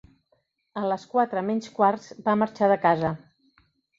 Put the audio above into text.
A les quatre menys quarts va marxar de casa.